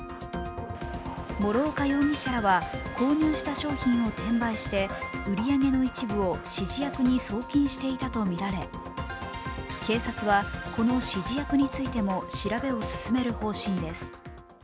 諸岡容疑者らは購入した商品を転売して売り上げの一部を指示役に送金していたとみられ警察はこの指示役についても調べを進める方針です。